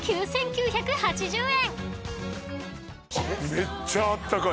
めっちゃあったかいし。